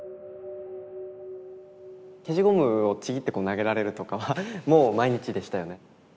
消しゴムをちぎって投げられるとかはもう毎日でしたよね。